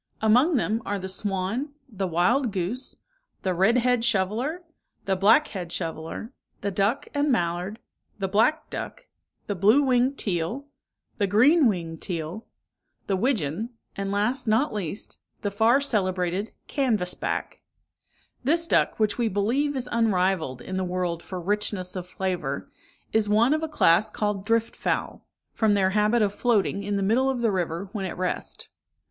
Among them are the swan, the wild goose, the red head shoveler, the black head shoveler, the duck and mallard, the black duck, the blue winged teal, the green winged teal, the widgeon, and, last not least, the far celebrated canvass back. This duck, which we believe is unrivalled in the world for richness of flavour, is one of a class called drift fowl, from their habit of floating in the middle of the river when at rest.